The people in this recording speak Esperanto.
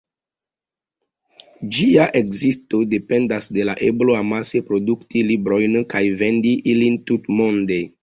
Ĝia ekzisto dependas de la eblo amase produkti librojn kaj vendi ilin tutmonde.